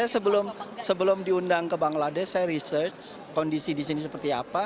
sebelum diundang ke bangladesh saya research kondisi di sini seperti apa